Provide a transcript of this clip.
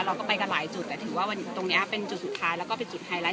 เราก็ไปกันหลายจุดแต่ถือว่าตรงนี้เป็นจุดสุดท้ายแล้วก็เป็นจุดไฮไลท